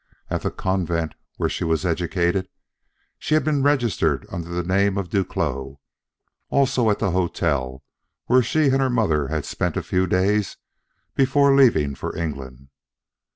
At the convent where she was educated, she had been registered under the name of Duclos also at the hotel where she and her mother had spent a few days before leaving for England.